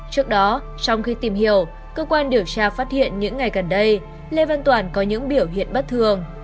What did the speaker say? trước đó trong khi tìm hiểu cơ quan điều tra phát hiện những ngày gần đây lê văn toàn có những biểu hiện bất thường